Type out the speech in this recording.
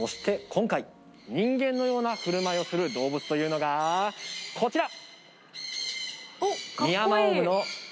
今回人間のような振る舞いをする動物というのがこちら